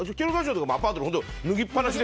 アパートで脱ぎっぱなしで？